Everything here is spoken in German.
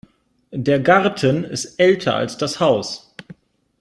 Der Garten ist älter als das Haus.